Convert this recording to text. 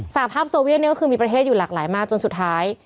หภาพโซเวียนนี่ก็คือมีประเทศอยู่หลากหลายมากจนสุดท้าย